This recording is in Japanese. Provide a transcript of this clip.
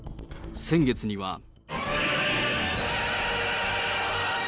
先月には。